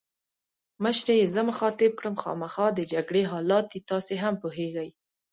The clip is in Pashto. مشرې یې زه مخاطب کړم: خامخا د جګړې حالات دي، تاسي هم پوهېږئ.